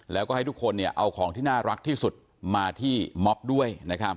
แล้วก็ให้ทุกคนเอาของที่น่ารักที่สุดมาที่ม็อบด้วย